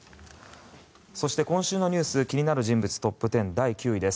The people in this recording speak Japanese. そして、今週のニュース気になる人物トップ１０第９位です。